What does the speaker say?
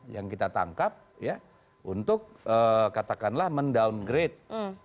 yang kita tangkap untuk katakanlah mendowngrade